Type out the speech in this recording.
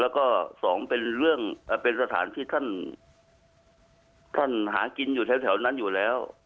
แล้วก็สองเป็นเรื่องเป็นสถานที่ท่านหากินอยู่แถวนั้นอยู่แล้ว